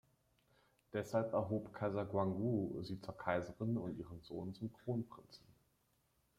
Deshalb erhob Kaiser Guangwu sie zur Kaiserin und ihren Sohn zum Kronprinzen.